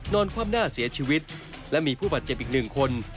นอนความหน้าเสียชีวิตและมีผู้ปัดเจ็บอีก๑คน